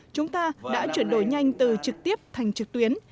chúng ta đã chuyển đổi nhanh từ trực tiếp thành trực tuyến